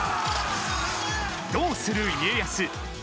「どうする家康」